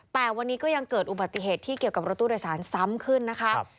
แต่วันนี้ก็ยังเกิดอุบัติเหตุที่เกี่ยวกับรถตู้โดยสารซ้ำขึ้นนะคะ